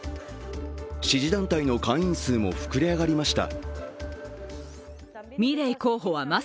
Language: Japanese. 支持団体の会員数も膨れ上がりました。